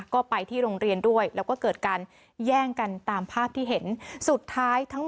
ก็ไปที่โรงเรียนด้วยแล้วก็เกิดการแย่งกันตามภาพที่เห็น